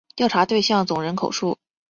调查对象总人口数